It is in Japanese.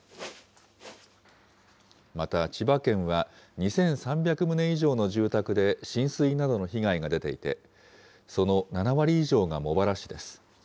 また、千葉県は、２３００棟以上の住宅で浸水などの被害が出ていて、その７割以上が茂原市です。